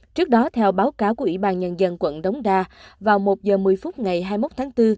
trước đó theo báo cáo của ủy ban nhân dân quận đống đa vào một h một mươi phút ngày hai mươi một tháng bốn